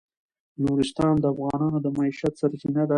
نورستان د افغانانو د معیشت سرچینه ده.